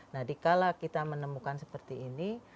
nah dikala kita menemukan seperti ini